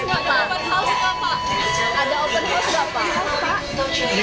ini kan lebaran terakhir bapak sebagai presiden